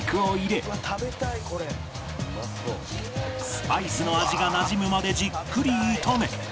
スパイスの味がなじむまでじっくり炒め